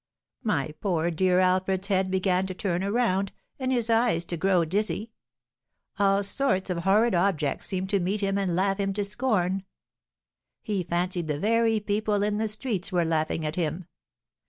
My poor dear Alfred's head began to turn around, and his eyes to grow dizzy; all sorts of horrid objects seemed to meet him and laugh him to scorn. He fancied the very people in the streets were laughing at him.